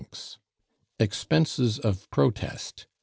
1000 Expenses of Protest.